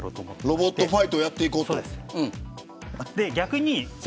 ロボットファイトをやっていこうと。